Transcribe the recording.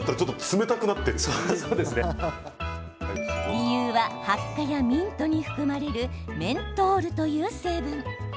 理由はハッカやミントに含まれるメントールという成分。